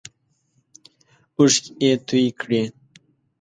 اوښکې یې تویی کړې.